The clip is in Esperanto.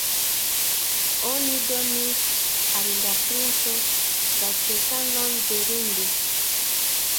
Oni donis al la princo la ĉekanon de Ringo.